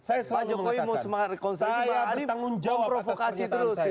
saya selalu mengatakan saya bertanggung jawab atas pernyataan saya